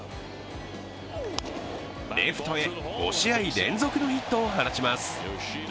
レフトへ５試合連続のヒットを放ちます。